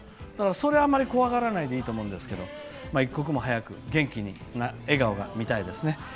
それは、あまり怖がらないでいいと思うんですけど一刻も早く元気な笑顔が見たいですね。